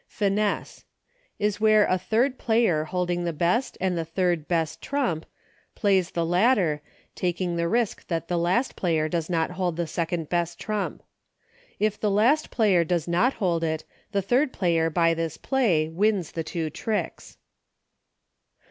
Finesse. Is where a third player holding the best and the third best trump, plays the latter, taking the risk that the last player does TECHNICALITIES. 81 not hold the second best trump. If the last player does not hold it ; the third player by this play wins the two tricks.